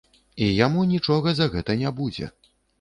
І яму нічога за гэта не будзе.